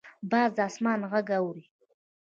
باز د اسمان غږ اوري